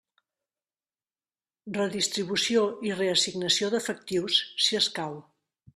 Redistribució i reassignació d'efectius, si escau.